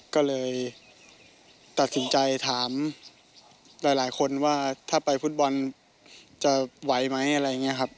ก็เลยตัดสินใจถามหลายคนว่าถ้าไปฟุตบอลจะไหวไหมอะไรอย่างนี้ครับ